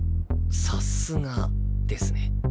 さすがですね。